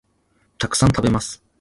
たくさん、食べます